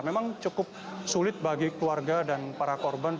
memang cukup sulit bagi keluarga dan para korban